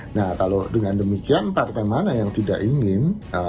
nah kalau dengan demikian partai mana yang tidak ingin